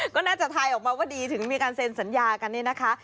ก็น่าจะทายออกมาว่าดีถึงมีการเซ็นสัญญากันเนี่ยนะคะ